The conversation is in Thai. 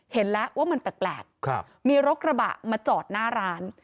เห็นแล้วว่ามันแปลกมีรถกระบะมาจอดหน้าร้าน